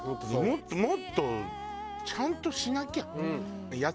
もっとちゃんとしなきゃ。